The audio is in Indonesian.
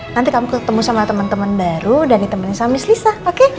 nanti kamu ketemu sama temen temen baru dan ditemani sama miss lisa oke